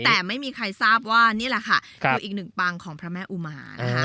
แต่ไม่มีใครทราบว่านี่แหละค่ะคืออีกหนึ่งปังของพระแม่อุมานะคะ